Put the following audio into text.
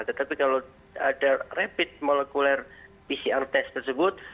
tetapi kalau ada rapid molekuler pcr test tersebut